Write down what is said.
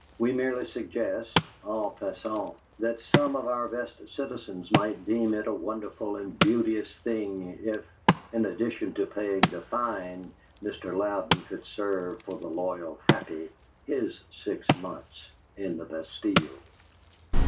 We merely suggest, en passant, that some of our best citizens might deem it a wonderful and beauteous thing if, in addition to paying the fine, Mr. Louden could serve for the loyal Happy his six months in the Bastile!"